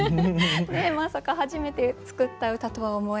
まさか初めて作った歌とは思えない。